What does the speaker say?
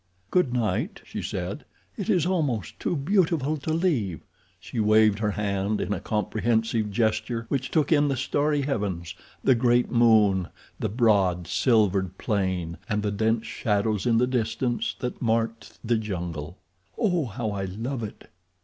"Good night," she said. "It is almost too beautiful to leave," she waved her hand in a comprehensive gesture which took in the starry heavens, the great moon, the broad, silvered plain, and the dense shadows in the distance, that marked the jungle. "Oh, how I love it!"